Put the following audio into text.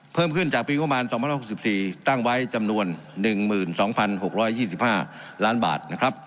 เพิ่มขึ้นจากปี๒๖๔ตั้งไว้จำนวน๑๒๖๒๕ล้านบาท